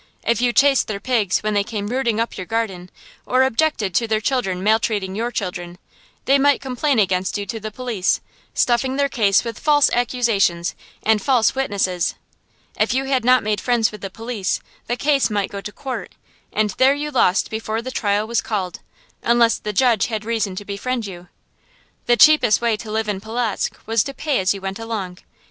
If you chased their pigs when they came rooting up your garden, or objected to their children maltreating your children, they might complain against you to the police, stuffing their case with false accusations and false witnesses. If you had not made friends with the police, the case might go to court; and there you lost before the trial was called, unless the judge had reason to befriend you. The cheapest way to live in Polotzk was to pay as you went along.